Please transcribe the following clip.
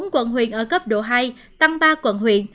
hai mươi bốn quận huyện ở cấp độ hai tăng ba quận huyện